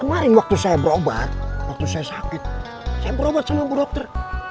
kemarin waktu saya berobat waktu saya sakit saya berobat sama bu dokter